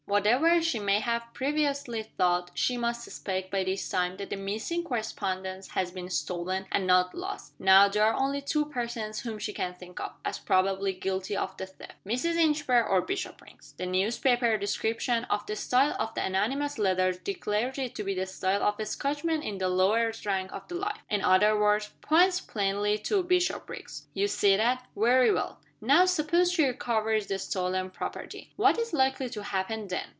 Whatever she may have previously thought, she must suspect, by this time, that the missing correspondence has been stolen, and not lost. Now, there are only two persons whom she can think of, as probably guilty of the theft Mrs. Inchbare or Bishopriggs. The newspaper description of the style of the anonymous letters declares it to be the style of a Scotchman in the lower ranks of life in other words, points plainly to Bishopriggs. You see that? Very well. Now suppose she recovers the stolen property. What is likely to happen then?